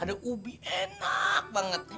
ada ubi enak banget